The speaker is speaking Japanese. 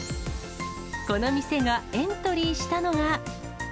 この店がエントリーしたのが。